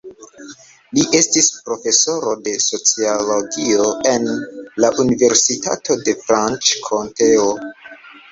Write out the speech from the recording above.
Li estis profesoro de sociologio en la Universitato de Franĉkonteo.